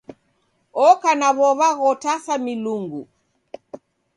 Oka na w'ow'a ghotasa milungu.